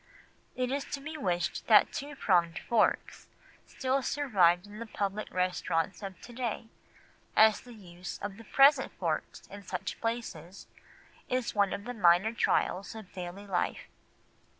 It is to be wished that two pronged forks still survived in the public restaurants of to day, as the use of the present forks in such places is one of the minor trials of daily life.